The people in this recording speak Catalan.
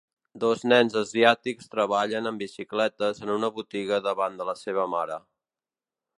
Dos nens asiàtics treballen amb bicicletes en una botiga davant de la seva mare.